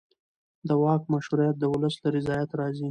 د واک مشروعیت د ولس له رضایت راځي